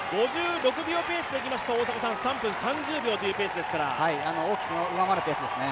５６秒ペースで行きますと３分３０秒というペースですから大きく上回るペースですね。